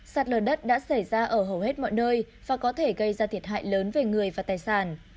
sạt lở đất đã xảy ra ở hầu hết mọi nơi và có thể gây ra thiệt hại lớn về người và tài sản